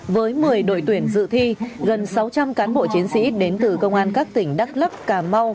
với một mươi đội tuyển dự thi gần sáu trăm linh cán bộ chiến sĩ đến từ công an các tỉnh đắk lắc cà mau